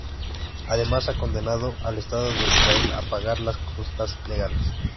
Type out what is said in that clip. Además, ha condenado al estado de Israel a pagar las costas legales.